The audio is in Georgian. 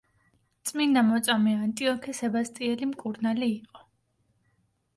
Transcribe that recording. წმინდა მოწამე ანტიოქე სებასტიელი მკურნალი იყო.